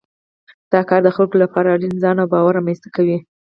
دا کار د خلکو لپاره اړین ځان باور رامنځته کوي.